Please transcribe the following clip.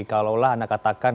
kalaulah anda katakan